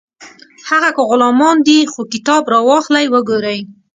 هغه که غلامان دي خو کتاب راواخلئ وګورئ